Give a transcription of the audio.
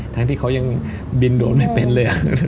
ทั้งที่เขายังบินโดดไม่เป็นเลย